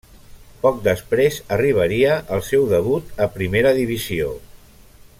Poc després arribaria el seu debut a Primera Divisió.